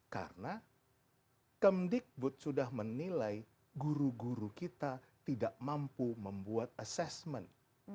karena kemdikbud sudah menilai guru guru kita tidak mampu membuat assessment